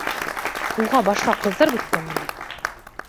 Уға башҡа ҡыҙҙар бөткәнме ни?